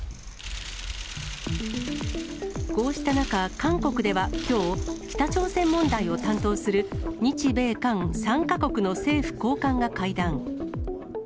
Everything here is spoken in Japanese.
こうした中、韓国ではきょう、北朝鮮問題を担当する日米韓３か国の政府高官が会談。